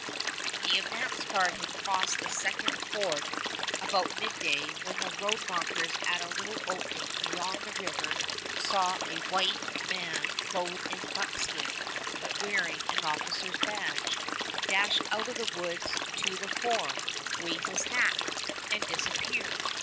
The advance guard had crossed the second ford about midday when the road makers at a little opening beyond the river saw a white man clothed in buckskin, but wearing an officer's badge, dash out of the woods to the fore, wave his hat, ... and disappear.